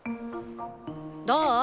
どう？